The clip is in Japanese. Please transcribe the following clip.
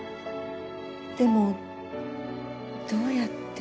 でもどうやって。